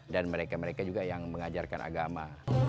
dan mereka mereka juga yang mengajarkan agama